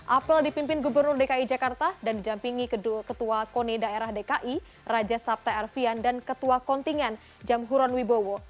apel dipimpin gubernur dki jakarta dan didampingi ketua kone daerah dki raja sabta arfian dan ketua kontingen jamhuron wibowo